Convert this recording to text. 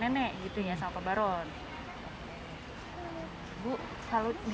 pembusuran di sini